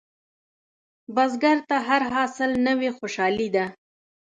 بزګر ته هر حاصل نوې خوشالي ده